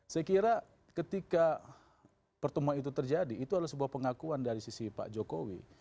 saya kira ketika pertemuan itu terjadi itu adalah sebuah pengakuan dari sisi pak jokowi